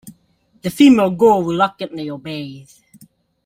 The female ghoul reluctantly obeys.